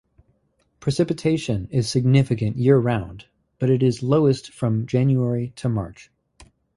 Precipitation is significant year-round, but it is lowest from January to March.